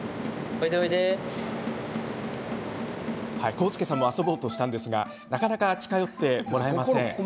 浩介さんも遊ぼうとしたんですがなかなか近寄ってもらえません。